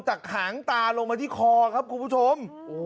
หางตาลงมาที่คอครับคุณผู้ชม